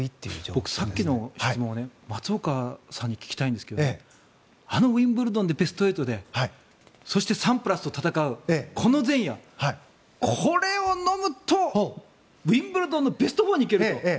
僕、さっきの質問を松岡さんに聞きたいんですけどあのウィンブルドンでベスト８でそしてサンプラスと戦うこの前夜、これを飲むとウィンブルドンのベスト４に行けると。